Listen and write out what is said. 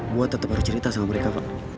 gue tetep harus cerita sama mereka fak